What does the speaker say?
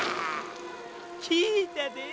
聞いたでえ。